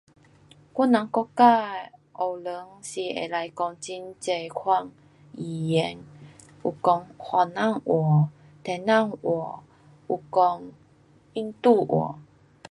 我人国家的学堂是可以讲很多款语言，有讲番呐话，唐人话，有讲印度话。